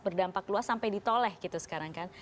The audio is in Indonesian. berdampak luas sampai ditoleh gitu sekarang kan